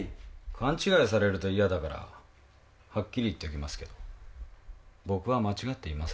勘違いされると嫌だからハッキリ言っておきますけど僕は間違っていません。